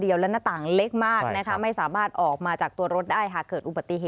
อย่าให้